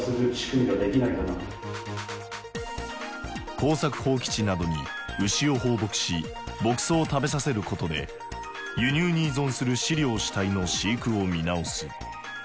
耕作放棄地などに牛を放牧し牧草を食べさせることで輸入に依存する飼料主体の飼育を見直す。